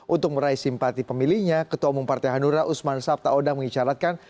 untuk meraih simpati pemilihnya ketua umum partai hanura usman sabta odang mengicarakan